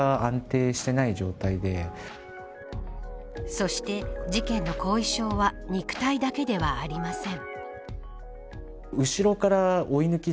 そして事件の後遺症は肉体だけではありません。